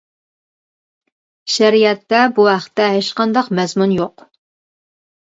شەرىئەتتە بۇ ھەقتە ھېچ قانداق مەزمۇن يوق.